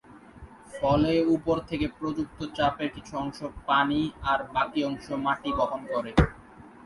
ফলে, উপর থেকে প্রযুক্ত চাপের কিছু অংশ পানি আর বাকি অংশ মাটি বহন করে।